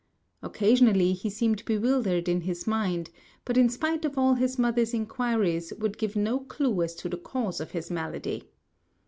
Occasionally, he seemed bewildered in his mind, but in spite of all his mother's inquiries would give no clue as to the cause of his malady.